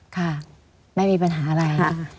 ค่ะไม่มีปัญหาอะไร